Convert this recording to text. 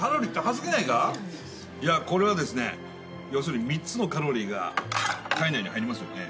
これは要するに３つのカロリーが体内に入りますよね。